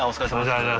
ありがとう。